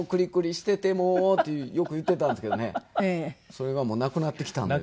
それがなくなってきたんでね。